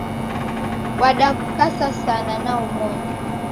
Wadakukasa sana naomoni